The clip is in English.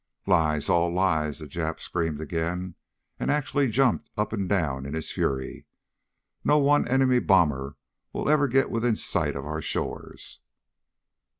"Lies, all lies!" the Jap screamed again, and actually jumped up and down in his fury. "Not one enemy bomber will ever get within sight of our shores."